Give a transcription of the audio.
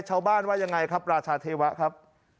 ชาวบ้านว่ายังไงครับราชาเทวะครับ